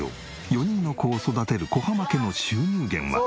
４人の子を育てる小濱家の収入源は。